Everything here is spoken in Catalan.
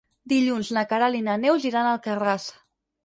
Dilluns na Queralt i na Neus iran a Alcarràs.